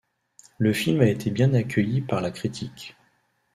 Le film a été bien accueilli par la critique.